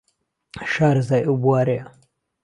شارەزای ئەو بووارەیە